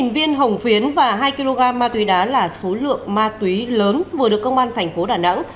một mươi viên hồng phiến và hai kg ma túy đá là số lượng ma túy lớn vừa được công an thành phố đà nẵng